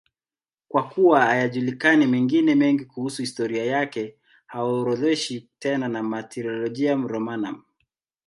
Kwa kuwa hayajulikani mengine mengi kuhusu historia yake, haorodheshwi tena na Martyrologium Romanum.